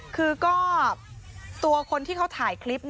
คือก็ตัวคนที่เขาถ่ายคลิป